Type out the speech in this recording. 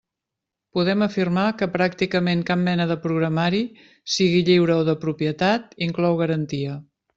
Podem afirmar que pràcticament cap mena de programari, sigui lliure o de propietat, inclou garantia.